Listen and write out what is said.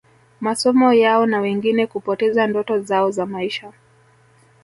masomo yao na wengine kupoteza ndoto zao za maisha